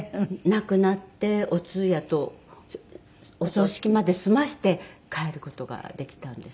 亡くなってお通夜とお葬式まで済ませて帰る事ができたんですね。